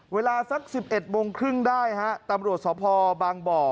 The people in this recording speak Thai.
เวลาสัก๑๑โมงครึ่งได้ฮะตำรวจสพบางบ่อ